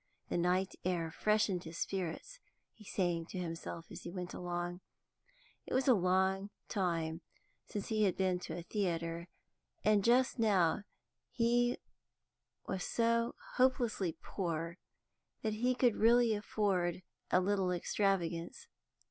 The night air freshened his spirits; he sang to himself as he went along. It was long since he had been to a theatre, and just now he was so hopelessly poor that he could really afford a little extravagance.